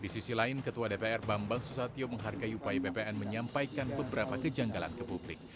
di sisi lain ketua dpr bambang susatyo menghargai upaya bpn menyampaikan beberapa kejanggalan ke publik